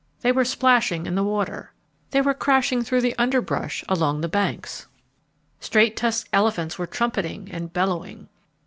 They were splashing in the water. They were crashing through the underbrush along the banks. Straight tusked elephants were trumpeting and bellowing.